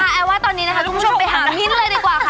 เอาว่าตอนนี้คุณผู้ชมไปหามิ้นดีกว่าค่ะ